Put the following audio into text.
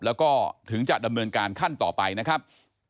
แล้วก็ถึงจะดำเนินการขั้นต่อไปนะครับ